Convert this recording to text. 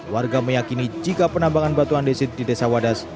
warga meyakini jika penambangan batuan desit di desa wadas